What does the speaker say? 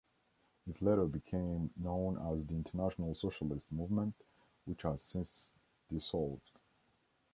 It later became known as the International Socialist Movement, which has since dissolved.